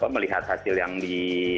melihat hasil yang di